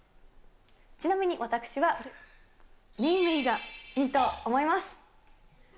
ちなみに私は、メイメイがいいと思います。